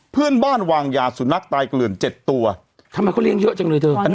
เพื่อนบ้านวางยาสุนัขตายเกลื่อนเจ็ดตัวทำไมเขาเลี้ยงเยอะจังเลยเธอ